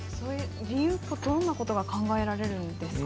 理由って、どんなことが考えられるんですか？